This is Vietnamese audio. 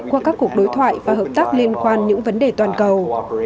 qua các cuộc đối thoại và hợp tác liên quan những vấn đề toàn cầu